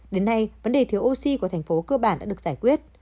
đến nay vấn đề thiếu oxy của thành phố cơ bản đã được giải quyết